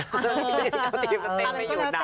เขาเต้นไม่หยุดนะ